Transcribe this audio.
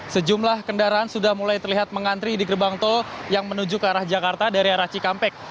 sejumlah kendaraan sudah mulai terlihat mengantri di gerbang tol yang menuju ke arah jakarta dari arah cikampek